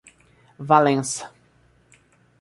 Valença